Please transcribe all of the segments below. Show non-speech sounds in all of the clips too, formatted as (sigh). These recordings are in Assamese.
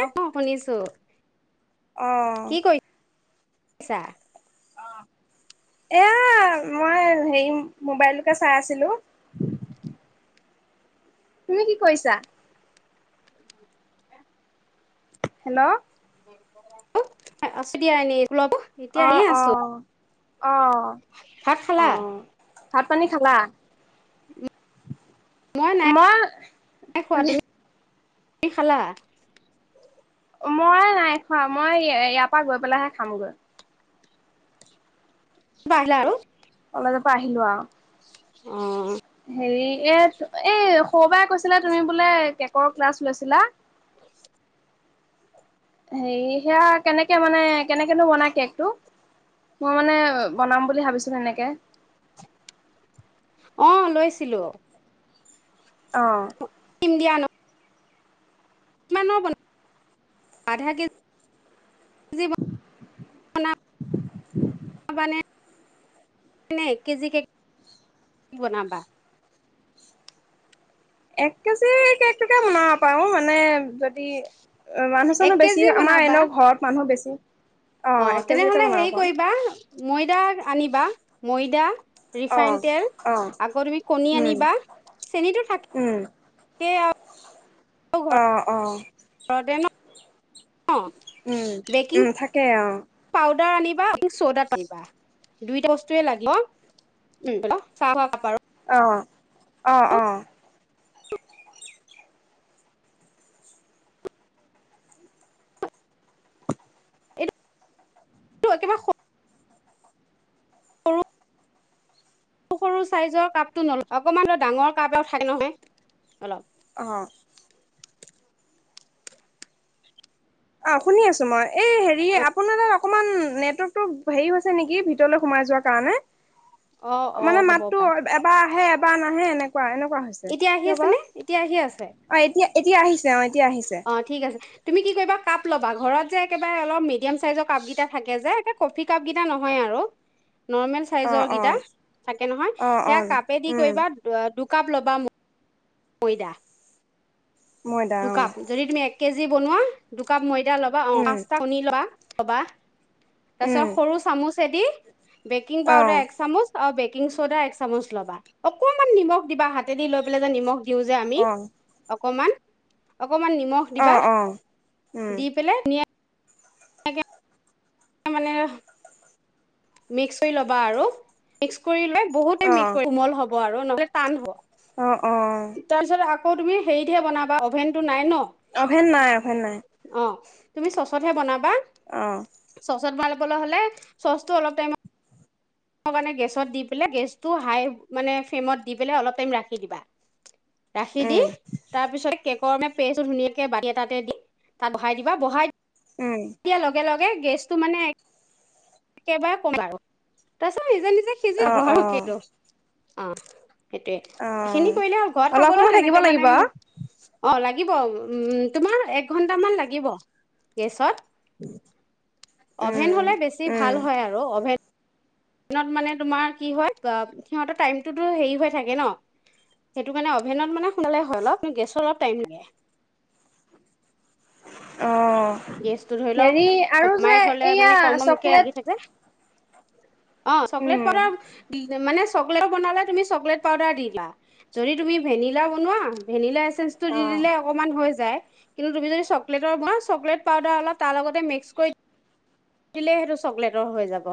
অ ক শুনিছো অহ আছা অ মই হেৰি মোবাইলটোকে চাই আছিলো তুমি কি কৰিছা হেল্ল' অ আছো দিয়া এনে লভ এতিয়া এনেই অ', আছো অ', অ', ভাত খালা অ'। ভাত পানী খালা উম মই খোৱা তুমি খালা মই নাই খোৱা, মই ই--ইয়াৰ পৰা গৈ পেলাইহে খামগৈ। আহিলা আৰু। এফালৰ পৰা আহিলো আও। অ'। হেৰি এ এই সৌবায়ে কৈছিলে তুমি বোলে কেকৰ ক্লাছ লৈছিলা। হেৰি, সেয়া কেনেকে মানে কেনেকেনো বনাই কেকটো, মই মানে বনাম বুলি ভাবিছো এনেকে। অ'--লৈছিলো অ দিয়া ন কিমানৰ বনাম আধা কেজি? (unintelligible) মানে (unintelligible) এক কেজি কে (unintelligible) বনাবা? এক কেজি কেকটোকে বনাব পাৰো মানে যদি এ মানুহ এক চানো কেজি বেছি, আমাৰ বনাবা এনেও ঘৰত মানুহ বেছি। অ এক কেজিলৈকে তেনেহলে বনাব হেৰি পাৰো কৰিবা ময়দা আনিবা। ময়দা। অ ৰিফাইন তেল, অ আকৌ তুমি কণী উম আনিবা, চেনিটো উম থাকেই আওঁ। অ' অ' এতিয়া ন উম, উম থাকে অ'। পাউদাৰো আনিবা, চৌদাও আনিবা দুইটা বস্তুৱে লাগিব। উম- অহ অ, অ-অ কিবা (unintelligible) সৰু সৰু চাইজৰ কাপটো নলবা। অকমান ডাঙৰ কাপ এটা থাকে নহয় অলপ অ' অ শুনি আছো মই। এই হেৰি আপোনাৰ তাত অকমান নেটৱৰ্কতটো হেৰি হৈছে নেকি ভিতৰলৈ সোমাই যোৱাৰ কাৰণে। অ অ অ মানে, হ'ব মাততো পাই এবাৰ আহে এবাৰ নাহে বা নাহে, এনেকুৱা এনেকো। (unintelligible) এনেকুৱা হৈছে, এতিয়া আহি কিয় আছে বা? নে এতিয়া আহি আছে অ' এতিয়া এতিয়া আহিছে অ এতিয়া আহিছে। অ ঠিক আছে তুমি কি কৰিবা, কাপ ল'বা। ঘৰত যে একেবাৰে অলপ মি (inaudible) মিডিয়াম চাইজৰ কাপ কেইটা থাকে যে, (unintelligible) কফি কাপ কেইটা নহয় আৰু। নৰ্মেন অ চাইজৰ অ গীতা। থাকে নহয়, অ অ সেইয়া কাপে দি উম কৰিবা। আ (unintelligible) কাপ ল (unintelligible) বাম (unintelligible) কৈদা ময়দা (unintelligible) অ কাপ, যদি তুমি এক কেজি, যি বনোৱা দুকাপ মই (unintelligible) ল'বা অ উম পাঁচটা কণী লবা লবা তাৰ উম পিছত সৰু চামুচ (unintelligible) বেকিং অ পউাৰ এক চামুচ আৰু বেকি বেকিং চ'দা এক চামুচ ল'বা, অকনমান নিমখ দিবা হাতেদি লৈ পেলাই যে নিমখ দিওঁ যে আমি অ অক মান অকমান নিমখ অ দিবা অ উম দি পেলাই ধুনিয়া মানে মিক্স কৰি ল'বা আৰু মিক্স কৰিলে বহুতে (unintelligible) কোমল হব হব আৰু নহলে টান হ'ব উম তাৰপিছত আকৌ আকৌ তুমি হেৰিতহে বনাব অভেনটো নাই ন? অভেন নাই- অভেন নাই। অ তুমি চচতহে বনাবা? অ (unintelligible) চচ (unintelligible) হলে চচটো অলপ টাইমত মানে গেছত দি পেলাই গেছটো হাই মানে ফ্লেমত দি পেলাই অলপ টাইম ৰাখি দিবা। গাখিৰ দি উম তাৰপিছত কে গৰমে পেচটো ধুনীয়াকে বতি এটাতে দি তাত বঢ়াই দিবা। বঢ়াই উম (unintelligible) লগে লগ (unintelligible) গেছটো মানে একেবাৰে কম আৰু (unintelligible) নিজে নিজে সিজি অ যাব অ আৰু কিনো। অ সেইটোৱে অ সেইখিনি কৰিলে হ'ব। ঘৰত অলপ খাবলৈও সময় থাকিব তেনেকে মানে লাগিব অ লাগিব উম্ তোমাৰ এক ঘণ্টামান লাগিব। গেছত। (unintelligible) অভেন উম হ'লে বেছি উম ভাল হয় আৰু অভেন নত মানে তোমাৰ কি হয় সিহঁতৰ টাইমটোতো হেৰি হৈ থাকে ন, সেইটো কাৰণে অভেনত মানে সোনকালে হয় অলপ কিন্তু গেছত অলপ টাইম লাগে। অ গেছটো ধৰি লও, হেৰি আৰু যে কমাই থলে এইয়া মানে কমকে চকলেট লাগি থাকে। অ, চকলেট উম পাউাৰ মানে চকলেট বনালে তুমি চকলেট পাউডাৰ দিলা। যদি তুমি ভেনিলা বনোৱা ভেনিলা আইছ টো অ দি দিলে অকণমান হৈ যায়। কিন্তু তুমি যদি চকলেটৰ বা চকলেট পাউডাৰ অলপ তাৰ লগতে মিক্স কৰি দিলে সেইটো চকলেটৰ হৈ যাব।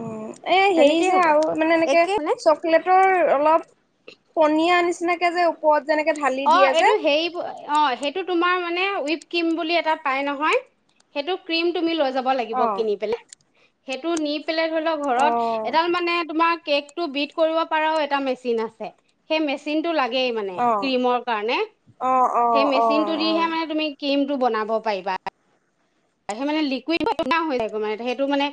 অ',। এ হেৰি তেনেকেই যে হ'ব আৰু মানে এনেকে একে মানে চকলেটৰ অলপ পনী নিচিনাকে যে পত যেনেকে ঢালি অ দিয়া এইটো যে হেৰি অ, সেইটো তুমাৰ মানে উইপ ক্ৰীম বুলি এটা পাই নহয়, সেইটো ক্ৰীম তুমি লৈ যাব লাগিব অ কিনি পেলাই। সেইটো নি ধৰি ল অ ঘৰত এডাল মানে তোমাক কেক টো বিট কৰিব পাৰাও এটা মেচিন আছে। সেই মেচিনটো লাগেই অ ক্ৰীমৰ কাৰণে। অ', সেই অ', অ', মেচিনটো দিহে অ', মানে তুমি ক্ৰীম বনাব পাৰিবা। মানে লিকুইড (unintelligible) সেইটো মানে,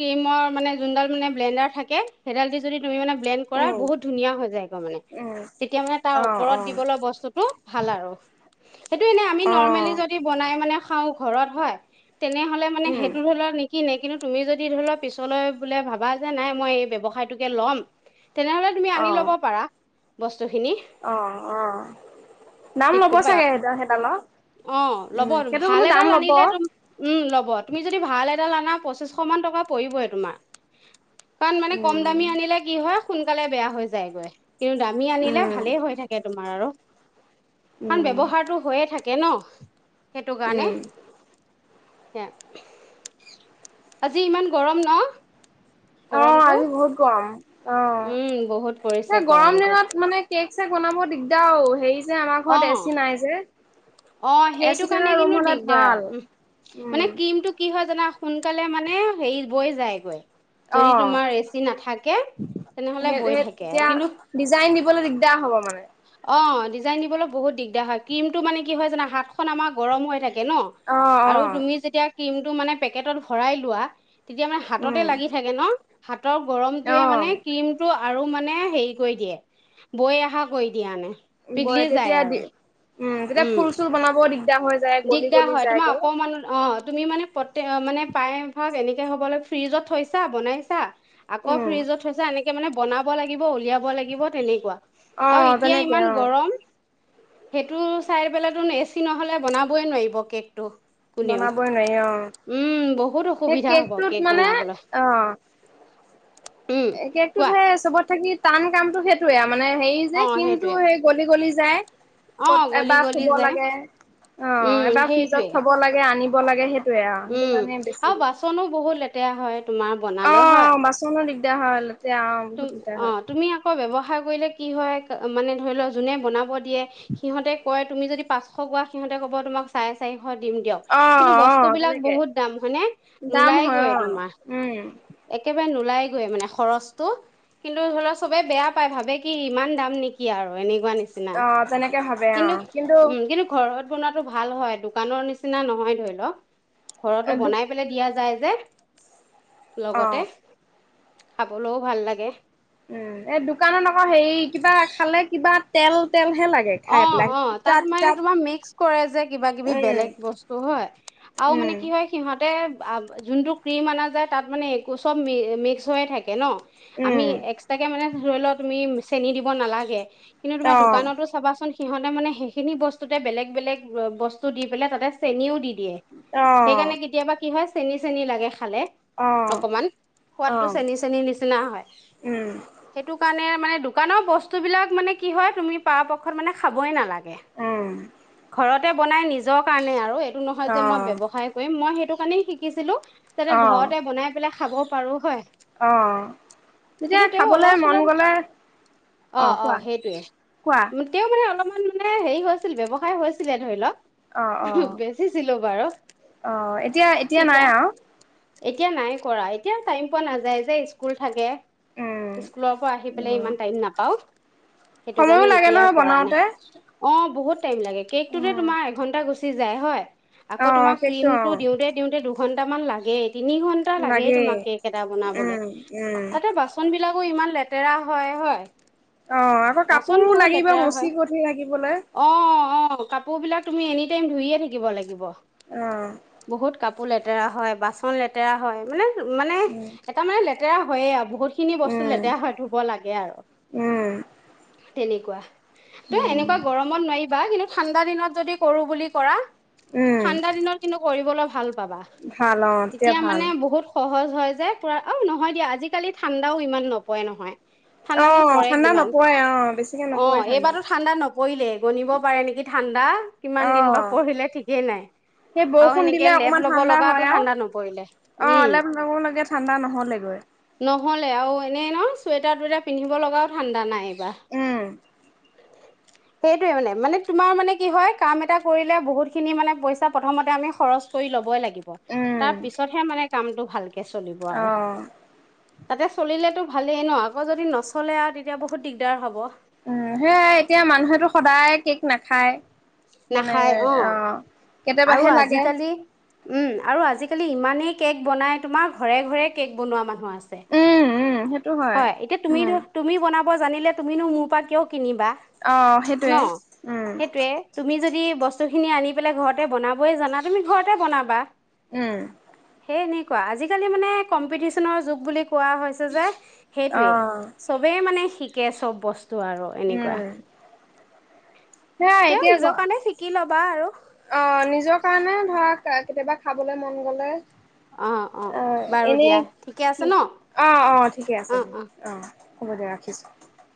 ক্ৰীমৰ মানে জোন ডাল মানে ব্লেণ্ডাৰ থাকে, সেইডাল দি যদি তুমি মানে ব্লেণ্ড কৰা উম, বহুত ধুনীয়া যায়গৈ মানে। উম, তেতিয়া মানে তাৰ অ', ওপৰত অ', দিবলৈ বস্তুটো ভাল আৰু। সেইটো ইনা আমি নৰ্মেলি অ', যদি বনাই মানে খাওঁ ঘৰত হয়। তেনেহ'লে মানে উম, সেইটো ধৰি'ল নি কিনে কিন্তু তুমি যদি ধৰি লোৱা পিছলৈ বোলে ভাবা যে নাই মই এই ব্যৱসায়টোকে ল'ম তেনেহ'লে তুমি আনি ল'ব অ', পাৰা। বস্তুখিনি। অ', অ', নাম ল'ব চাগে সেদা- সেদালৰ অ', ল'ব। ভাল এডাল ল'ব আনিলে তুম উম, ল'ব। তুমি যদি ভাল এডাল আনা পঁচিচশ মান টকা পৰিবয়ে তোমাৰ কাৰণ মানে কম উম, দামী আনিলে কি হয়, সোনকালে বেয়া হৈ যায়গৈ। কিন্তু দামী আনিলে উম, ভালেই হৈ থাকে তোমাৰ আৰু মান উম, ব্যৱহাৰটো হৈয়ে থাকে। কেন সেইটো কাৰণে উম। সে আজি ইমান গৰম ন অ গৰমটো আজি বহুত গৰম অ উম, বহুত পৰিছে এ গৰম গৰমটো। দিনত মানে কেক চেক বনাব দিগদাৰ বহুত হেৰি যে আমাৰ ঘৰত অ', এচি নাই যে অ সেইটো এচি থকা কাৰণে ৰুম কিন্তু হ'লে দিগদাৰ ভাল উ উম, মানে ক্ৰ্ৰীমটো কি কি হয় জানা সোনকালে মানে হেৰি বৈ যায়গৈ। অ যদি তোমাৰ এচি নাথাকে তেনেহ'লে সেই বৈ সেই থাকে তেতিয়া কিন্তু ডিজাইন দিবলৈ দিগদাৰ হ'ব মানে অ', ডিজাইন দিবলৈ বহুত দিগদাৰ হয় ক্ৰীম টো মানে কি হয় জানা হাতখন আমাৰ গৰম হৈ থাকে থাকে অ', ন আৰু অ', তুমি যেতিয়া ক্ৰীম পেকেটত ভৰাই লোৱা তেতিয়া মানে হাততে উম। লাগি থাকে ন হাত হাতৰ গৰমটোৱে অ', মানে ক্ৰীমটো আৰু মানে হেৰি কৰি দিয়ে বৈ অহা কৰি দিয়া মানে পিঘলি বই যায় তেতিয়া আৰু দি উম তেতিয়া ফুল চুল বনাব দিগদাৰ হৈ যায় গলি দিগদাৰ গলি হয় তোমাৰ যায়গৈ। অকমান অ তুমি মানে প্ৰ মানে প্ৰায় ধৰক এনেকে হ'ব ল ফ্ৰিজত থৈছা বনাইছা আকৌ উম, ফ্ৰিজত থৈছা এনেকে মানে বনাব লাগিব উলিয়াব লাগিব তেনেকুৱা আৰু অ', এতিয়া তেনেকে ইমান অ', গৰম সেইটো চাই পেলতো এচি নহ'লে বনাব'' ক'বই নোৱাৰিব কেকটো বনাবই নোৱাৰি উম বহুত অ', সেই অসুবিধা হ'ব কেক কেকটোত মানে বনাবলৈ অ'। উম এ, কেকতো কোৱা থাই চবত থাকি টান কামটো সেইটয়ে মানে হেৰি যে অ ক্ৰীমটো সেইটোৱে সেই গলি গলি যায়। অ ক'ত গলি এবাৰ গলি থ'ব যায় লাগে অ', উম এবাৰ ফ্ৰিজত সেইটোৱে থ'ব লাগে আনিব লাগে সেইট উম, আৰু বাচনো বহুত লেতেৰা হয়। তোমাৰ বনালে হয় অ', বাচনো দিগদাৰ হয়লতে আহ তুম বহুত দিগদাৰ অ হয়। তুমি আকৌ ব্যৱসায় কৰিলে কি হয় মানে ধৰি ল' যোনে বনাব দিয়ে সিহঁতে কয়। তুমি যদি পাঁচশ গোৱা সহঁতে ক'ব তোমাক চাই চাৰি দিম দিয়ক কিন্তু অ', বস্ বস্তু অ', বিলাক তেনেকে বহুত দাম মানে দাম নোলায় হয় গৈ অ তোমাৰ উম একেবাৰে নোলায় ওলাইগৈ মানে খৰচটো কিন্তু ধৰি লওঁ চবে বেয়া পায় ভাবে কি ইমান দাম নেকি আৰু এনে পোৱা নিচিনা অ তেনেকে ভাবে অ কিন্তু উম, কিন্তু ঘৰত বনাতো ভাল হয় দোকানৰ নিচিনা নহয় ধৰি লওঁক। ঘৰতো বনাই পেলাই দিয়া যায়। যে অ লগতে খাবলৈও ভাল লাগে। উম এই দোকানত আকৌ হেৰি কিবা খালে কিবা তেল তেলহে লাগে খাই অ', পেলাই অ', তিতা তাত মানে তিতা তোমাৰ মিক্স কৰে যে কিবা কিবি উম বেলেগ বস্তু হয় আৰু মানে উম কি হয় সিহঁতে আ যোনটো ক্ৰীম অনা যায় তাত মানে একো চব মি মিক্স হৈয়ে থাকে ন'। আমি উম এক্সট্ৰাকে মানে ধৰি লওঁক তুমি চেনি দিব নালাগে। কিন্তু অ তোমাৰ দোকানতো চাবাচোন সিহঁতে মানে সেইখিনি বস্তুতে বেগ বেগ বস্তু দি পেলাই তাতে চেনিও দি দিয়ে অ সেইকাৰণে কেতিয়াবা কি হয় চেনি চেনি লাগে। খালে অ অকমান অ সোৱাদটো চেনি চেনিৰ নিচিনা হয় উম সেইটো কাৰণে মানে দোকানৰ বস্তু বিলাক মানে কি হয় তুমি পাৰ প মানে খাবই নালাগে উম (unintelligible) ঘৰত ততে বনাই নিজৰ কাৰণে আৰু নহয় অ যে মই ব্যৱসায় কৰিম মই সেইটো নেই শিকিছিলো তাতে অ ঘৰতে বনাই পেলাই খাব পাৰোঁ হয় অ যেতিয়া কিন্তু তেওঁ খাবলৈ অলপ মন চলপ গলে অ কোৱা কোৱা তেওঁ মানে অলপমান মানে হেৰি হৈছিল ব্যৱসায় হৈছিলে ধৰি লওক অ অ বেচিছিলো বাৰু আহ এতিয়া এতিয়া নাই শিকা আও এতিয়া নাই কৰা এতিয়া টাইম পোৱা নাযায় যে স্কুল থাকে উম স্কুলৰ পৰা আহি পেলাই উম ইমান টাইম নাপাও সেইটো সময়ো কাৰণে লাগে এতিয়া নহয় কৰা নাই বনাওতে অঁ বহুত টাইম লাগে কেকটোতে উম তোমাৰ এঘণ্টা গুচি যায় হয় অ আকৌ তোমাৰ কেকটো ক্ৰীম অ টো দিওঁতে দিওঁতে দুখ ঘণ্টামান লাগে তিনি ঘন্টা লাগেই তোমাক কেক এটা বনাবলৈ উম উম তাতে বাচন বিলাকো ইমান লেট তেৰা হয় হয় অ আকৌ কাপোৰো লাগি য়া হয় অ অ অ অঁ কাপোৰবিলাক তুমি এনি টাইম ধুইয়ে থাকিব লাগিব আহ (inaudible) (unintelligible) লেতেৰা হয় বাচন লেতেৰা হয় মানে মানে উম এটা মানে লে তেৰা হয়য়ে বহুত খিনি বস্তু উম লেতেৰা হৈ ধুব লাগে আৰু উম তেনেকুৱা তই উম এনেকুৱা গৰমত নোৱাৰিবা কিন্তু ঠাণ্ডা দিনত যদি কৰো বুলি কৰা উম ঠাণ্ডা দিনত কিন্তু কৰিব ল ভাল পাবা ভাল অ তেতিয়া ভাল মানে বহুত সহজ হয় যে পুৰা অ নহয় দিয়া আজিকালি ঠাণ্ডাও ইমান নপৰে নহয় অ ঠাণ্ডানো পৰে ঠাণ্ডা কিমান নপোৱাই অ বেছিকে অ নপৰে ঠাণ্ডা এইবাৰতো ঠাণ্ডা নপৰিলে গণিব পাৰে নেকি ঠাণ্ডা কিমান অ দিন বা পৰিলে ঠিকেই নাই সেই আৰু বৰষুণ সেনেকে দিলে লেপ অকমান ল'ব ঠাণ্ডা লগাটো হয় আৰু ঠাণ্ডা নপৰিলে অ উম অলপ লাগে ঠাণ্ডা নহলেগৈ নহ'লে আৰু এনেই ন চুৱেটাৰ টুৱেটাৰ পিন্ধিব লগাও ঠাণ্ডা নাই ৱাহ উম সেইটোয়ে মানে মানে তুমাৰ মানে কি হয় কাম এটা কৰিলে বহুত খিনি মানে পইচা প্ৰথমতে আমি খৰচ কৰি ল'বই লাগে কিহয় উম তাৰ পিছতহে মানে চামটো ভালকে চলিব অ আৰু তাতে চলিলেতো ভালেই ন আকৌ যদি নচলে আৰু তেতিয়া বহুত দিগদাৰ হ'ব সেয়াই এতিয়া মানুহেতটো সদায় কেক নাখায় মানে নাখায় অ কেতিয়াবাহে আৰু লাগে আজিকালি উম আৰু আজিকালি ইমানেই কেক বনাই তোমাৰ ঘৰে ঘৰে কেক বনোৱা মানুহ আছে উম উম সেইটো হয় এতিয়া তুমি উম তুমি বনাব জানিলে তুমিনো মোৰ পৰা কিয় কিনিবা অ সেইটোৱে ন উম সেইটোৱে তুমি যদি বস্তুখিনি আনি পেলাই ঘৰতে বনাবয়ে জানা তুমি ঘৰতে বনাবা উম তেনেকুৱা আজিকালি মানে কম্পিটিচনৰ যুগ বুলি কোৱা হৈছে যে অ সেইটোয়ে চবে শিকে চব বস্তু আৰু এনেকুৱা উম, সেয়াই তেওঁ এতিয়া গ নিজৰ কাৰণে শিকি ল'বা আৰু অঁ নিজৰ কাৰণে ধৰা (unintelligible) কেতিয়াবা খাবলে মন গ'লে অঁ অঁ, অ বাৰু এনেই দিয়া ঠিকে কি আছে ন অ অ ঠিকে আছে দিয়া উম-উম। অ হব দিয়া ৰাখিছোঁ।